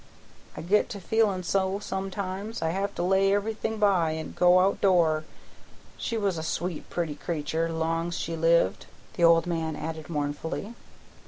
"I git feelin' so sometimes I have to lay everything by an' go out door. She was a sweet pretty creatur' long's she lived," the old man added mournfully.